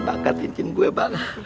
bakat incin gue banget